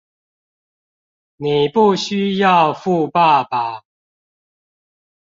你不需要富爸爸